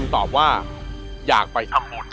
การตอบคำถามแบบไม่ตรงคำถามนะครับ